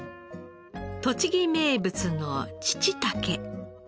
栃木名物のチチタケ。